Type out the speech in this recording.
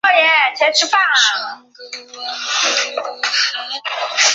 咖啡加上点心